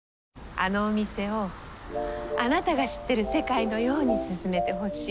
あのお店をあなたが知ってる世界のように進めてほしい。